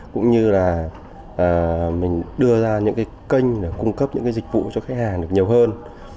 cũng như là mình đưa ra những cái kênh để cung cấp những cái dịch vụ cho khách hàng được nhiều hơn